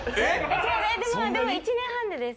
でも１年半でです。